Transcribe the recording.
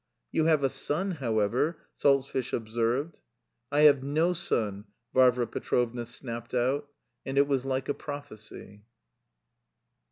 "You have a son, however," Salzfish observed. "I have no son!" Varvara Petrovna snapped out and it was like a prophecy.